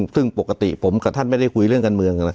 ซึ่งปกติผมกับท่านไม่ได้คุยเรื่องการเมือง